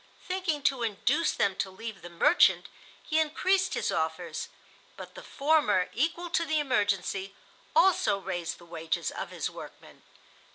Thinking to induce them to leave the "merchant," he increased his offers, but the former, equal to the emergency, also raised the wages of his workmen.